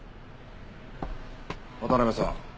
渡辺さん。